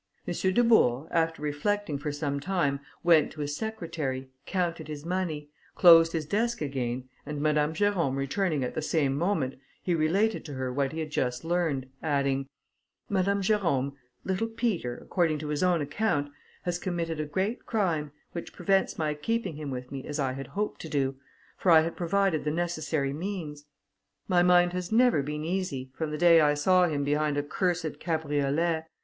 M. Dubourg, after reflecting for some time, went to his secretary, counted his money, closed his desk again, and Madame Jerôme returning at the same moment, he related to her what he had just learned, adding, "Madame Jerôme, little Peter, according to his own account, has committed a great crime, which prevents my keeping him with me as I had hoped to do, for I had provided the necessary means. My mind has never been easy, from the day I saw him behind a cursed cabriolet.